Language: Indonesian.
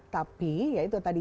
tapi ya itu tadi